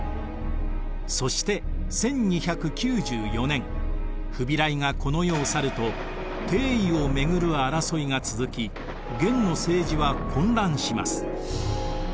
そして１２９４年フビライがこの世を去ると帝位をめぐる争いが続き元の政治は混乱します。